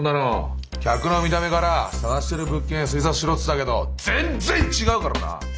「客の見た目から探してる物件推察しろ」って言ったけど全然違うからな！